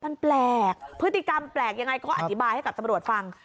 มันแปลกพฤติกรรมแปลกยังไงก็อธิบายให้กับตำรวจฟัง